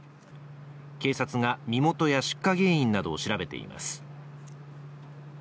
警察が身元や出火原因などを調べています。